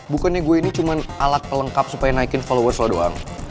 bukannya gue ini cuma alat pelengkap supaya naikin followers lo doang